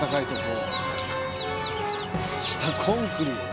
下コンクリよ。